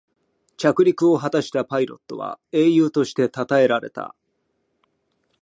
着陸を果たしたパイロットは英雄としてたたえられた